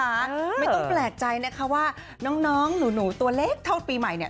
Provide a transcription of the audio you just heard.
ไม่ต้องแปลกใจนะคะว่าน้องหนูตัวเล็กเท่าปีใหม่เนี่ย